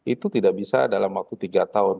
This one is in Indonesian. itu tidak bisa dalam waktu tiga tahun